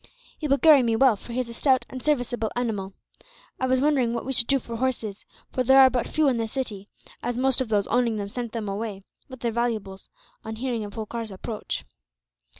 He will carry me well, for he is a stout and serviceable animal. I was wondering what we should do for horses; for there are but few in the city, as most of those owning them sent them away, with their valuables, on hearing of Holkar's approach."